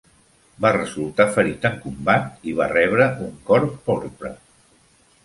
Va resultar ferit en combat i va rebre un Cor porpra.